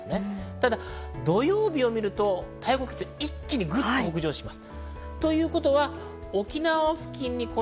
ただ土曜日を見ると、一気にぐっと北上します。